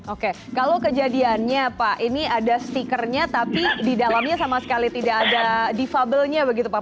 oke kalau kejadiannya pak ini ada stikernya tapi di dalamnya sama sekali tidak ada defable nya begitu pak